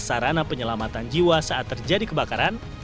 sarana penyelamatan jiwa saat terjadi kebakaran